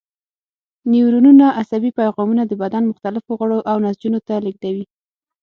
نیورونونه عصبي پیغامونه د بدن مختلفو غړو او نسجونو ته لېږدوي.